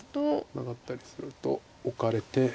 マガったりするとオカれて。